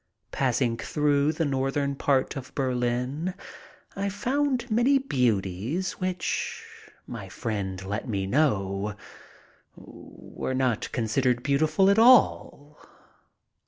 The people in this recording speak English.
Passing through the northern part of Berlin, I found many beauties which, my friend let me know, were not considered beautiful at all.